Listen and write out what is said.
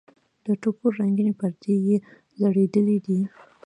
د ټوکر رنګینې پردې یې ځړېدلې دي.